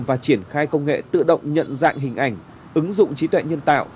và triển khai công nghệ tự động nhận dạng hình ảnh ứng dụng trí tuệ nhân tạo